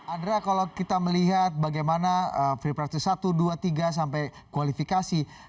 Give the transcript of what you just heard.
andra kalau kita melihat bagaimana free practice satu dua tiga sampai kualifikasi